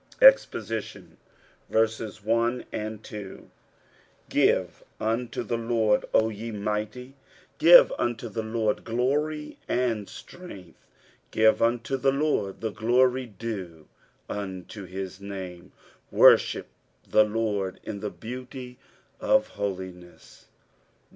EXPOSITION. GIVE unto the LORD, O ye mighty, give unto the LORD glory and strength,. 2 Give unto the LORD the glory due unto his name ; worship the Lord in the beauty of holiness.